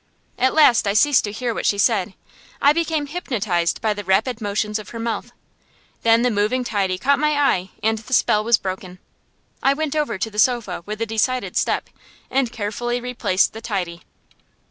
At last I ceased to hear what she said; I became hypnotized by the rapid motions of her mouth. Then the moving tidy caught my eye and the spell was broken. I went over to the sofa with a decided step and carefully replaced the tidy.